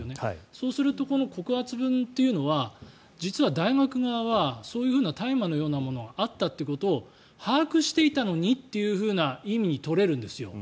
そうするとこの告発文というのは実は大学側はそういう大麻のようなものがあったということを把握していたのにっていうふうな意味に取れるんですよ。